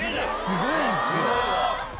すごいんすよ！